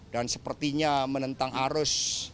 dan sepertinya menentang arus